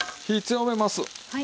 火強めます。